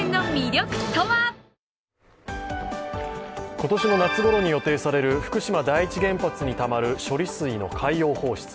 今年の夏ごろに予定される福島第一原発にたまる処理水の海洋放出。